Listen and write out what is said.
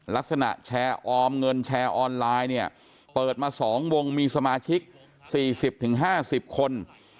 ลักษณะแชร์ออมเงินแชร์ออนไลน์เนี่ยเปิดมา๒วงมีสมาชิก๔๐๕๐คน